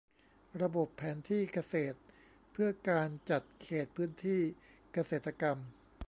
ระบบแผนที่เกษตรเพื่อการจัดเขตพื้นที่เกษตรกรรม